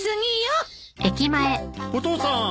お父さん。